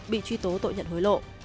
bị truy tố tội nhận hối lộ